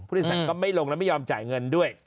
ผู้โดยสารก็ไม่ลงแล้วไม่ยอมจ่ายเงินด้วย